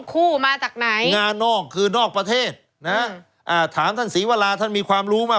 คู่มาจากไหนงานอกคือนอกประเทศนะอ่าถามท่านศรีวราท่านมีความรู้มาก